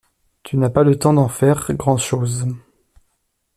tu n'as pas le temps d'en faire grandchose.